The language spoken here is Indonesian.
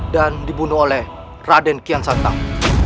dan dibunuh oleh raden kian santap